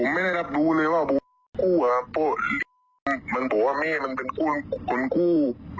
มันบอกว่านี่มันเป็นคนกู้